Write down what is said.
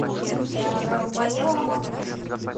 Они говорили недолго.